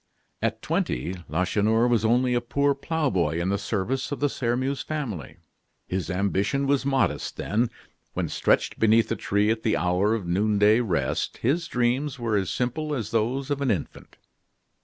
At twenty Lacheneur was only a poor ploughboy in the service of the Sairmeuse family. His ambition was modest then. When stretched beneath a tree at the hour of noonday rest, his dreams were as simple as those of an infant.